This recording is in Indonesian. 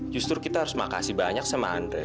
justru kita harus makasih banyak sama andre